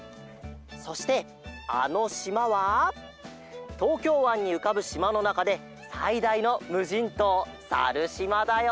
そしてあのしまはとうきょうわんにうかぶしまのなかでさいだいのむじんとうさるしまだよ！